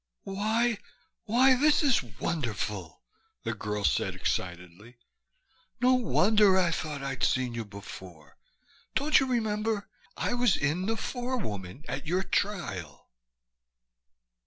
"Why why, this is wonderful!" the girl said excitedly. "No wonder I thought I'd seen you before. Don't you remember? I was in the forewoman at your trial!"